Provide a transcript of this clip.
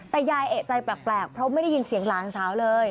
แต่ยายเอกใจแปลกเพราะไม่ได้ยินเสียงหลานสาวเลย